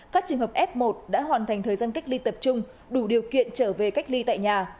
các trường hợp f một đã hoàn thành thời gian cách ly tập trung đủ điều kiện trở về cách ly tại nhà